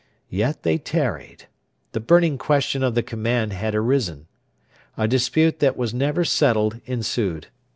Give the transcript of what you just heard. Yet they tarried. The burning question of the command had arisen. A dispute that was never settled ensued.